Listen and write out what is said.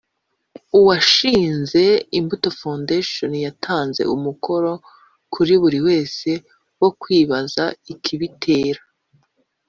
washinze Imbuto Foundation yatanze umukoro kuri buri wese wo kwibaza ikibitera